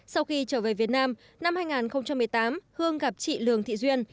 sau khi trở về việt nam năm hai nghìn một mươi tám hương gặp chị lường thị duyên